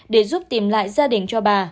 để giúp tìm lại gia đình cho bà